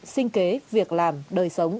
sinh kế việc làm đời sống